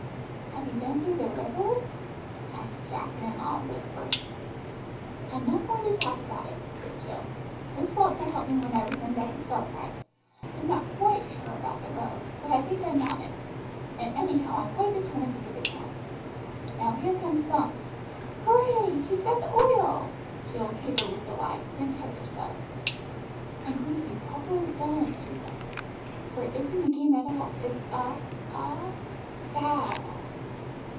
"Have you been through the river?" asked Jack in an awed whisper. "I'm not going to talk about it," said Jill. "Miss Falkner helped me when I was in bed to start right. I'm not quite sure about the road, but I think I'm on it. And anyhow I'm quite determined to give a tenth. Now here comes Bumps. Hooray! She's got the oil!" Jill capered with delight, then checked herself. "I'm going to be properly solemn," she said, "for it isn't a game at all, it's a a vow!"